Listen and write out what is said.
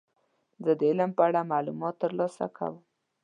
زه د علم په اړه معلومات ترلاسه کوم.